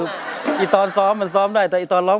พี่หมาบอกใครจะสนุกก็สนุก